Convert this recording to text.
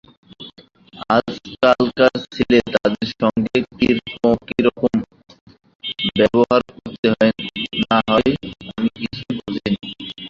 আজকালকার ছেলে, তাদের সঙ্গে কিরকম ব্যাভার করতে হয় না-হয় আমি কিছুই বুঝি নে।